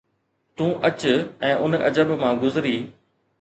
تون اچ ۽ ان عجب مان گذري